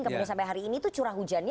kemudian sampai hari ini itu curah hujannya